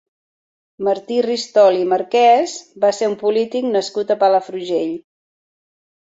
Martí Ristol i Marquès va ser un polític nascut a Palafrugell.